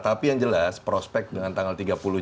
tapi yang jelas prospek dengan tanggal tiga puluh itu